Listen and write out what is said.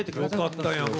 よかったやんか。